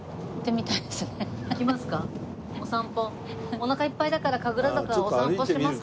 おなかいっぱいだから神楽坂お散歩しますか？